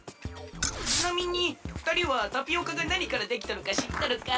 ちなみにふたりはタピオカがなにからできとるかしっとるか？